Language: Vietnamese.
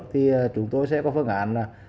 thì chúng tôi sẽ có phương án là